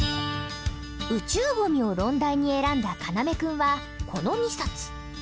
宇宙ゴミを論題に選んだかなめ君はこの２冊。